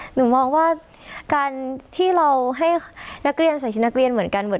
หนูมองว่าการที่เราให้นักเรียนใส่ชุดนักเรียนเหมือนกัน